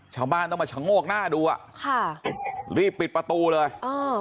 ชาวบ้านต้องมาชะโงกหน้าดูอ่ะค่ะรีบปิดประตูเลยเออ